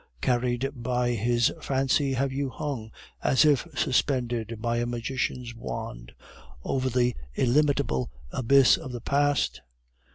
Carried by his fancy, have you hung as if suspended by a magician's wand over the illimitable abyss of the past?